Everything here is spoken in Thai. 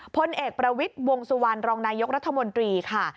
พลเอกประวิทย์วงสุวรรณรองนายกรัฐมนตรีค่ะ